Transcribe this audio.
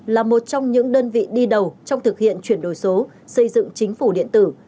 là một trong những đơn vị đi đầu trong thực hiện chuyển đổi số xây dựng chính phủ điện tử